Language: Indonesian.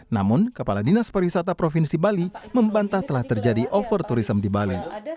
namun kepala dinas pariwisata provinsi bali membantah telah terjadi overtourism di bali